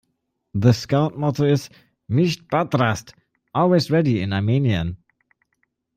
The Scout Motto is "Misht Badrast", "Always Ready" in Armenian.